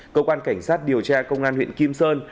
công an cảnh sát điều tra công an huyện kim sơn